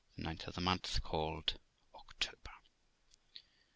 The ninth of the month called October.